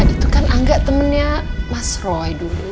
itu kan angga temennya mas roy dulu